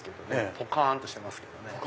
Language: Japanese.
ポカンとしてますけどね。